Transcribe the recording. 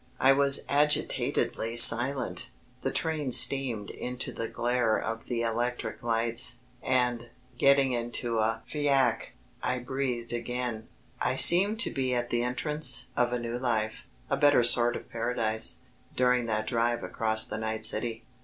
I was agitatedly silent. The train steamed into the glare of the electric lights, and, getting into a fiacre, I breathed again. I seemed to be at the entrance of a new life, a better sort of paradise, during that drive across the night city.